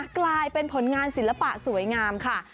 กลายเป็นผลงานศิลปะสวยงามค่ะ